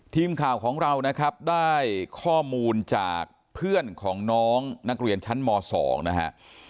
ทีมข่าวของเรานะครับได้ข้อมูลจากเพื่อนของน้องนักเรียนชั้นม๒นะฮะ